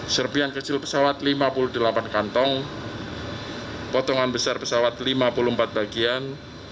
serpian kecil pesawat lima puluh delapan kantong potongan besar pesawat lima puluh empat bagian